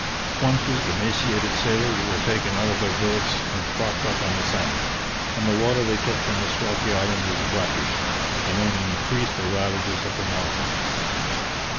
Twenty emaciated sailors were taken out of their berths and propped up on the sand. And the water they took from this rocky island was brackish, and only increased the ravages of the malady.